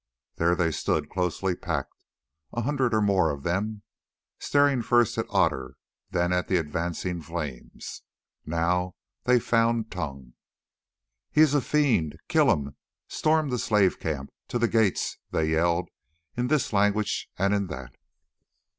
There they stood closely packed, a hundred or more of them, staring first at Otter, then at the advancing flames. Now they found tongue. "He is a fiend! Kill him! Storm the slave camp! To the gates!" they yelled in this language and in that.